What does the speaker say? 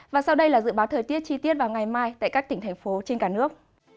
và sau đây là dự báo thời tiết chi tiết vào ngày mai tại các tỉnh thành phố trên cả nước